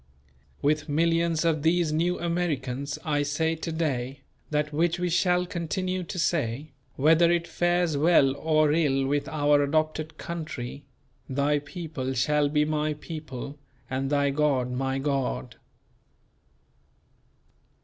With millions of these New Americans I say to day that which we shall continue to say, whether it fares well or ill with our adopted country: "Thy people shall be my people, and thy God my God."